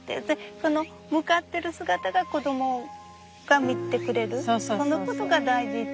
その向かってる姿が子供が見てくれるそのことが大事って思った。